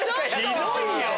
ひどいよ！